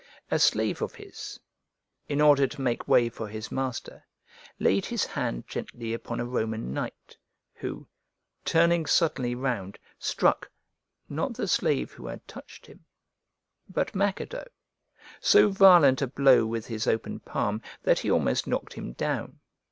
A slave of his, in order to make way for his master, laid his hand gently upon a Roman knight, who, turning suddenly round, struck, not the slave who had touched him, but Macedo, so violent a blow with his open palm that he almost knocked him down.